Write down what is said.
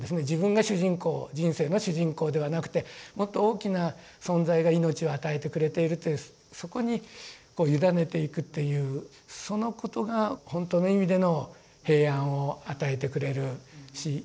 自分が主人公人生の主人公ではなくてもっと大きな存在が命を与えてくれているというそこにこう委ねていくっていうそのことが本当の意味での平安を与えてくれるし